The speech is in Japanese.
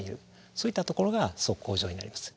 そういったところが測候所になります。